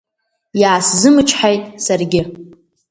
Иаасзымычҳаит саргьы.